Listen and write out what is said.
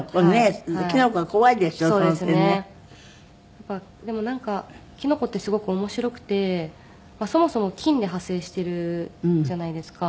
やっぱりでもなんかキノコってすごく面白くてそもそも菌で派生しているじゃないですか。